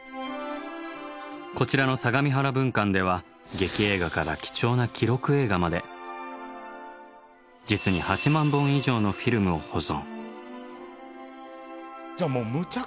こちらの相模原分館では劇映画から貴重な記録映画まで実に８万本以上のフィルムを保存。